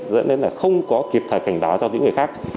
dẫn đến là không có kịp thời cảnh báo cho những người khác